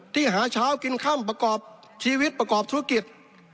หาเช้ากินค่ำประกอบชีวิตประกอบธุรกิจ